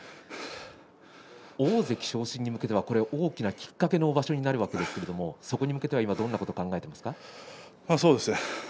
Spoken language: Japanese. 大関昇進に向けてはこれは大きなきっかけの場所になると思いますけれどもそこに向けてはどんなことを考えていますか。